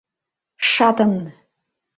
Шатын!